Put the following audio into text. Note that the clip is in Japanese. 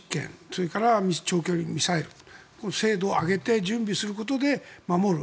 それから長距離ミサイルの精度を上げて準備することで守る。